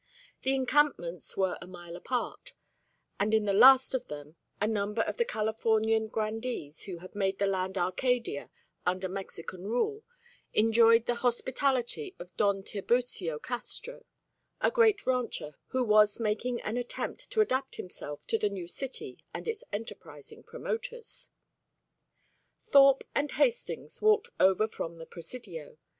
The encampments were a mile apart; and in the last of them a number of the Californian grandees who had made the land Arcadia under Mexican rule enjoyed the hospitality of Don Tiburcio Castro, a great rancher who was making an attempt to adapt himself to the new city and its enterprising promoters. Thorpe and Hastings walked over from the Presidio.